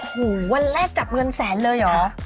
หูวันแรกจับเงินแสนเลยเหรอ